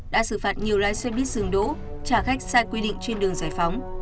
đã xử phạt nhiều lái xe buýt dừng đỗ trả khách sai quy định trên đường giải phóng